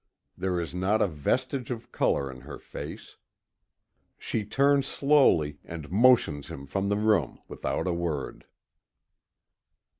There is not a vestige of color in her face. She turns slowly, and motions him from the room without a word.